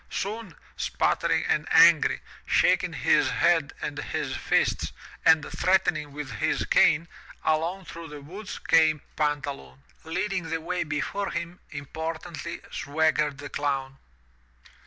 Soon, sputtering and angry, shaking his head and his fists, and threatening with his cane, along through the woods came Pantaloon. Leading the way before him, importantly swaggered the Clown.